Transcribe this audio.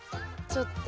ちょっと。